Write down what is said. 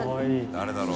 誰だろう？